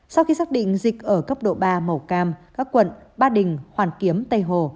sau khi xác định dịch ở cấp độ ba màu cam các quận ba đình hoàn kiếm tây hồ